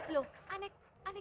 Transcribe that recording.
loh aneh gimana